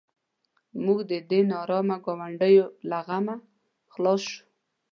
موږ د دې نارامه ګاونډیو له غمه خلاص شوو.